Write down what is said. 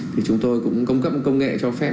thì chúng tôi cũng cung cấp một công nghệ cho phép